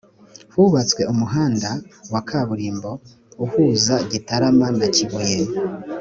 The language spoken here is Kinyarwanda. hubatswe umuhanda wa kaburimbo uhuza gitarama na kibuye